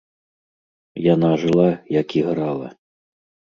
Яна жыла, як іграла.